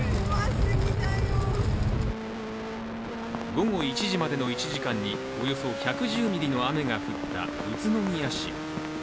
午後１時までの１時間におよそ１１０ミリの雨が降った宇都宮市。